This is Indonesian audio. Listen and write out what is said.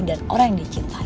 dan orang yang dia cintai